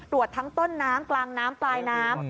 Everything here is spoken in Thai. ทั้งต้นน้ำกลางน้ำปลายน้ำ